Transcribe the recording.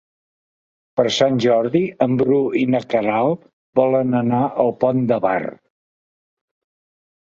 Per Sant Jordi en Bru i na Queralt volen anar al Pont de Bar.